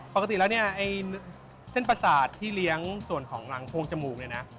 ปกติน่ะเส้นประสาทที่เลี้ยงส่วนหลังของโพงจมูกเนี่ยนะ